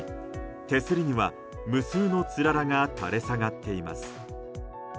手すりには無数のつららが垂れ下がっています。